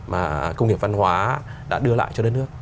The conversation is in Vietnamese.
mà công nghiệp văn hóa đã đưa lại cho đất nước